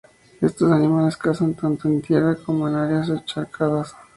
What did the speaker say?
Estos animales cazan tanto en tierra como en áreas encharcadas.